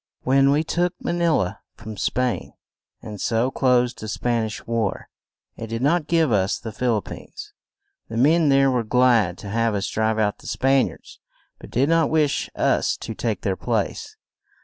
When we took Ma ni la from Spain, and so closed the Span ish war, it did not give us the Phil ip pines. The men there were glad to have us drive out the Span iards, but did not wish us to take their place.